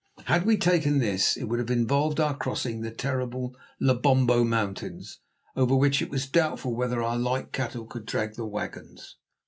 Had we taken this it would have involved our crossing the terrible Lobombo Mountains, over which it was doubtful whether our light cattle could drag the wagons.